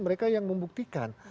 mereka yang membuktikan